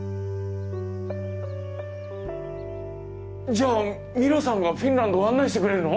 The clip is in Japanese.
じゃあミロさんがフィンランド案内してくれるの？